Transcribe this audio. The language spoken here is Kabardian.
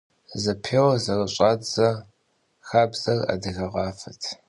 Zepêuer zerış'adze xabzer adıge khafet.